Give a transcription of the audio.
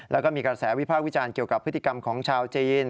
แล้วก็มีกระแสวิภาควิจารณ์เกี่ยวกับพฤติกรรมของชาวจีน